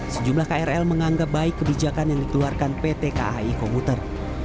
sejumlah krl menganggap baik kebijakan yang dikeluarkan pt kai komuter